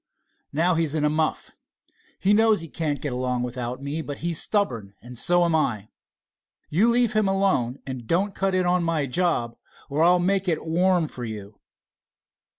"Now he's in a muff. He knows he can't get along without me, but he's stubborn, and so am I. You leave him alone, and don't cut in on my job, or I'll make it warm for you."